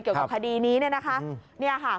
เกี่ยวกับคดีนี้นะคะ